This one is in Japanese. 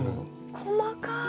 細かい！